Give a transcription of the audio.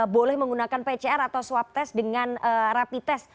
boleh menggunakan pcr atau swab test dengan rapid test